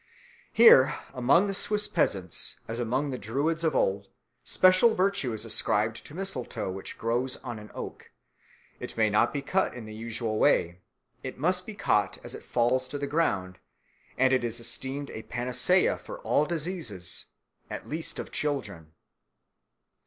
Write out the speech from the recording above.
Here among the Swiss peasants, as among the Druids of old, special virtue is ascribed to mistletoe which grows on an oak: it may not be cut in the usual way: it must be caught as it falls to the ground; and it is esteemed a panacea for all diseases, at least of children.